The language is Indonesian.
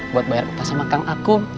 buat bayar utasa makan aku